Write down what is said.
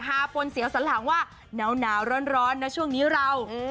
ปนเสียวสันหลังว่าหนาวร้อนนะช่วงนี้เรา